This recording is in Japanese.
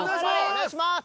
お願いします！